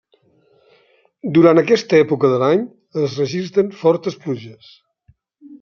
Durant aquesta època de l'any es registren fortes pluges.